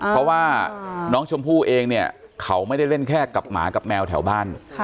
เพราะว่าน้องชมพู่เองเนี่ยเขาไม่ได้เล่นแค่กับหมากับแมวแถวบ้าน